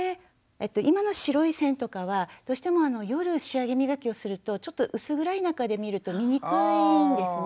今の白い線とかはどうしても夜仕上げ磨きをするとちょっと薄暗い中で見ると見にくいんですね。